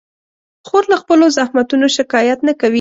خور له خپلو زحمتونو شکایت نه کوي.